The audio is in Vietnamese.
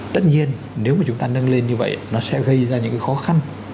tất nhiên nếu mà chúng ta nâng lên như vậy nó sẽ gây ra những khó khăn